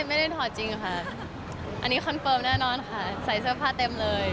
ไม่ได้ถอดจริงค่ะอันนี้คอนเฟิร์มแน่นอนค่ะใส่เสื้อผ้าเต็มเลย